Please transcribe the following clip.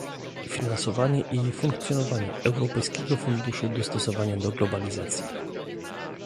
Finansowanie i funkcjonowanie Europejskiego Funduszu Dostosowania do Globalizacji